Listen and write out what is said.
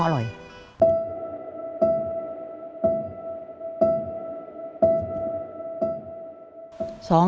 คุณสองคุณสอง